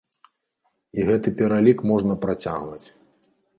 І гэты пералік можна працягваць.